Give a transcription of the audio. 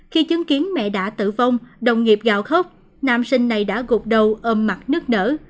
khi chứng kiến mẹ đã tử vong đồng nghiệp gào khóc nam sinh này đã gục đầu ôm mặt nứt nở